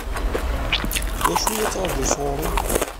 D acu i la ttṛaǧun sɣur-i?